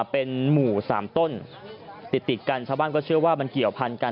เป็นหมู่๓ต้นติดติดกันชาวบ้านก็เชื่อว่ามันเกี่ยวพันกัน